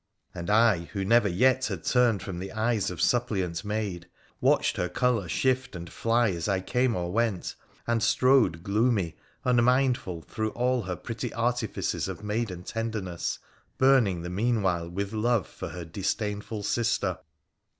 And I, who never yet had turned from the eyes of suppliant maid, watched her colour shift and fly as I came or went, and strode gloomy, unmindful through all her pretty artifices of maiden tenderness, burning the mean while with love for her disdainful sister.